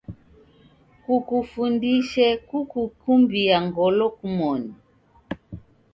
Kukufundishe kukukumbia ngolo kumoni.